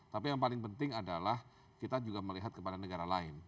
tapi yang paling penting adalah kita juga melihat kepada negara lain